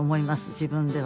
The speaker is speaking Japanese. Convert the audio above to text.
自分では。